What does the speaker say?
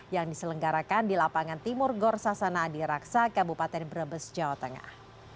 yang diselenggarakan di lapangan timur gorsasana adi raksa kabupaten brebes jawa tengah